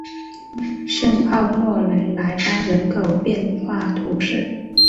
圣奥诺雷莱班人口变化图示